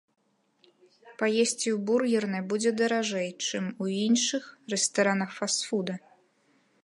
Паесці ў бургернай будзе даражэй, чым у іншых рэстаранах фаст-фуда.